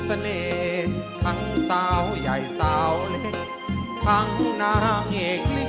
ทั้งสาวใหญ่สาวเล็กทั้งนางเอกเลี้ย